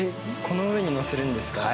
この上に載せるんですか？